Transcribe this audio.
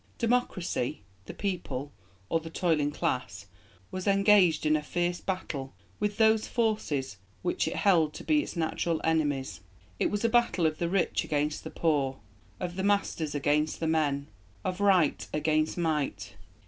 Democracy, the people, or the toiling class, was engaged in a fierce battle with those forces which it held to be its natural enemies. It was a battle of the Rich against the Poor, of the masters against the men, of Right against Might.